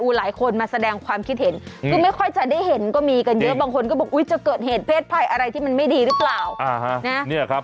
หลายคนมาแสดงความคิดเห็นคือไม่ค่อยจะได้เห็นก็มีกันเยอะบางคนก็บอกอุ๊ยจะเกิดเหตุเพศภัยอะไรที่มันไม่ดีหรือเปล่า